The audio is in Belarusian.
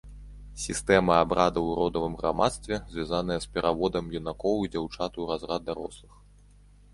Сістэма абрадаў у родавым грамадстве, звязаная з пераводам юнакоў і дзяўчат у разрад дарослых.